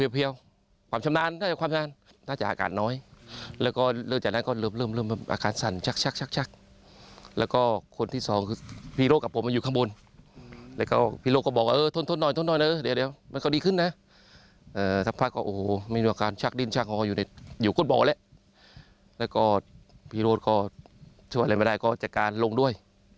พี่โรสก็ชวนอะไรไม่ได้ก็จัดการลงด้วย